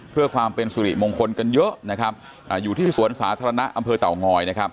เพื่อความเป็นสุริมงคลกันเยอะอยู่ที่สวนสาธารณะอำเผอเตากงอย